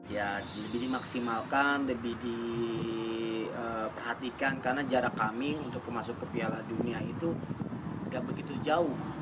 ya lebih dimaksimalkan lebih diperhatikan karena jarak kami untuk masuk ke piala dunia itu tidak begitu jauh